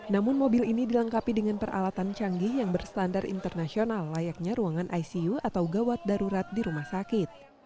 namun mobil ini dilengkapi dengan peralatan canggih yang berstandar internasional layaknya ruangan icu atau gawat darurat di rumah sakit